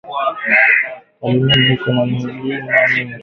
Kalemie iko na milima mingi